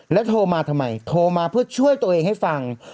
แล้วโทรมาทำไมโทรมาเพื่อช่วยตัวเองให้ฟัง